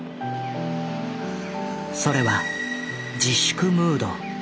それは自粛ムード。